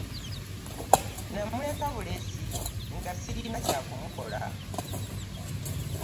Namuleka bulesi nga ssirina kya kumukola.